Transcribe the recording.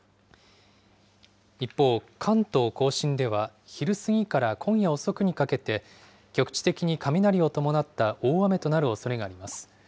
一方、関東甲信では、昼過ぎから今夜遅くにかけて、局地的に雷を伴った大雨となるおそれがあります。